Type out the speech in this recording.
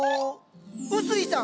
薄井さん